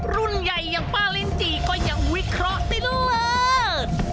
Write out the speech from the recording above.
รุ่นใหญ่อย่างป้าลินจีก็ยังวิเคราะห์ได้เลิศ